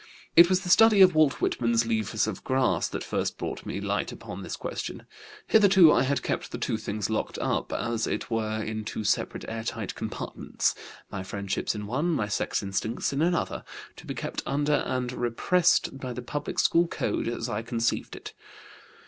It was the study of Walt Whitman's Leaves of Grass that first brought me light upon this question. Hitherto I had kept the two things locked up, as it were, in two separate air tight compartments, my friendships in one, my sex instincts in another, to be kept under and repressed by the public school code as I conceived it.